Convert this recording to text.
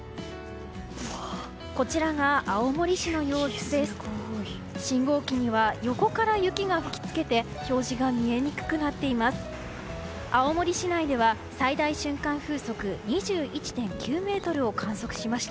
こちらは、青森市の様子です。